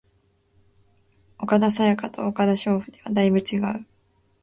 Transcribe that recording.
岡田紗佳と岡田彰布ではだいぶ違う